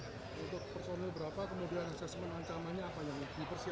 untuk personil berapa kemungkinan sesuai ancamannya apa yang dipersiapkan